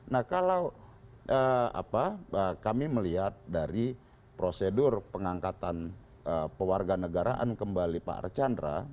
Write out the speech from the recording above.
nah kalau kami melihat dari prosedur pengangkatan pewarga negaraan kembali pak archandra